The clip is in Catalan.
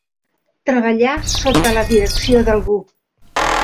Treballar sota la direcció d'algú.